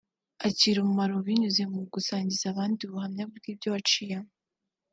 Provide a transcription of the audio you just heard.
akagira umumaro binyuze mu gusangiza abandi ubuhamya bw’ibyo yaciyemo